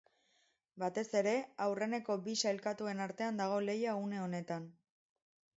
Batez ere, aurreneko bi sailkatuen artean dago lehia une honetan.